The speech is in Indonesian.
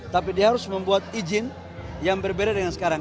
tapi dia harus membuat izin yang berbeda dengan sekarang